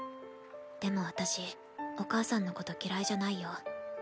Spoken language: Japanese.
でも私お母さんのこと嫌いじゃないよ。